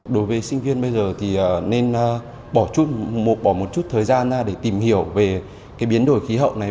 đối với sinh viên bây giờ thì nên bỏ một chút thời gian để tìm hiểu về biến đổi khí hậu này